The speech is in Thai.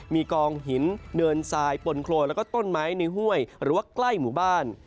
มีกองหินเนินทรายปนโครนแล้วก็ต้นไม้ในห้วยหรือว่าใกล้หมู่บ้าน